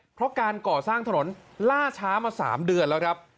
เพราะการก่อสร้างถนนล่าช้ามา๓เดือนแล้วครับ